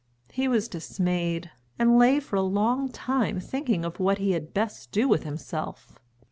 He was dismayed, and lay for a long time thinking of what he had best do with himself.